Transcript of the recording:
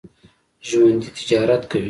ژوندي تجارت کوي